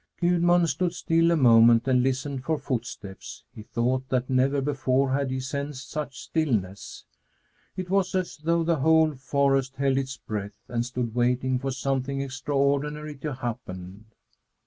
Gudmund stood still a moment and listened for footsteps. He thought that never before had he sensed such stillness. It was as though the whole forest held its breath and stood waiting for something extraordinary to happen.